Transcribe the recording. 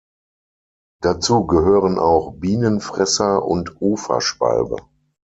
Dazu gehören auch Bienenfresser und Uferschwalbe.